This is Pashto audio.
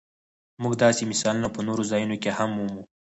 موږ داسې مثالونه په نورو ځایونو کې هم مومو.